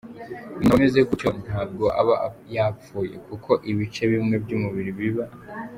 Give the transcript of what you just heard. umuntu aba ameze gutyo ntabwo aba yapfuye kuko ibice bimwe by’umubiri biba